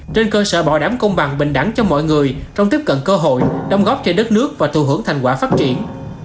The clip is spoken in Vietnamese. trên cơ sở bảo đảm công bằng bình đẳng cho mọi người trong tiếp cận cơ hội đồng góp cho đất nước và thù hưởng thành quả phát triển